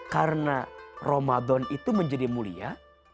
karena ramadan itu menjadi mulia